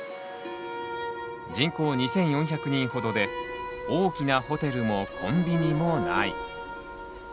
人口２，４００人ほどで大きなホテルもコンビニもない。